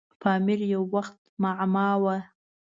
پامیر یو وخت معما وه.